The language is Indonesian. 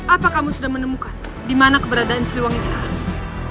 apa kamu sudah menemukan di mana keberadaan silwani sekarang